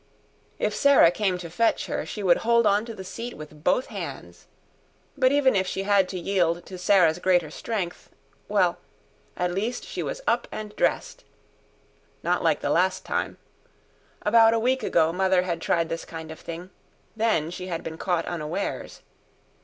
If Sarah came to fetch her she would hold on to the seat with both hands. But even if she had to yield to Sarah's greater strength well, at least she was up and dressed. Not like the last time about a week ago Mother had tried this kind of thing. Then, she had been caught unawares.